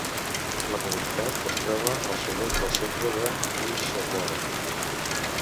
La comunitat es troba al sud-est del centre de Greensboro.